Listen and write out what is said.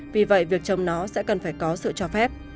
vì vậy việc trồng nó sẽ cần phải có sự cho phép